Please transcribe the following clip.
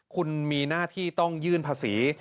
คุณมีหน้าที่ต้องยื่นภาษี